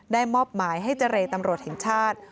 มอบหมายให้เจรตำรวจแห่งชาติ